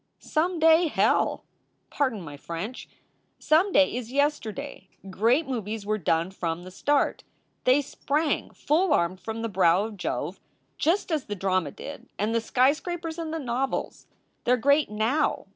"Some day, hell! Pardon my French! Some day is yes terday. Great movies were done from the start. They sprang full armed from the brow of Jove, just as the drama did, and the skyscrapers, and the novels. They re great now.